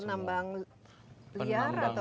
penambang liar atau penambang